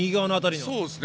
そうですね。